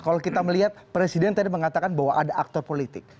kalau kita melihat presiden tadi mengatakan bahwa ada aktor politik